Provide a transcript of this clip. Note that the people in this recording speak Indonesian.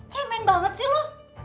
cemen banget sih lu